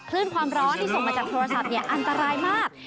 คลื่นความร้อนที่ส่งมาจากโทรศัพท์อันตรายมาก